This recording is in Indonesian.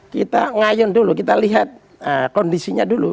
kita ngayun dulu kita lihat kondisinya dulu